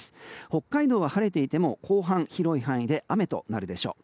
北海道は晴れていても後半、広い範囲で雨となるでしょう。